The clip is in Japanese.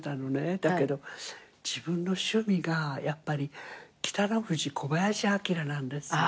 だけど自分の趣味がやっぱり北の富士小林旭なんですよ。